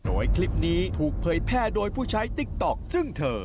โดยคลิปนี้ถูกเผยแพร่โดยผู้ใช้ติ๊กต๊อกซึ่งเธอ